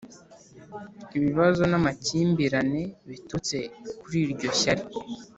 Ibibazo n amakimbirane biturutse kuri iryo shyari